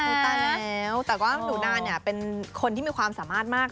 ตายแล้วแต่ก็หนูนาเนี่ยเป็นคนที่มีความสามารถมาก